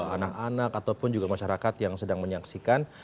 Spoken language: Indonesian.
anak anak ataupun juga masyarakat yang sedang menyaksikan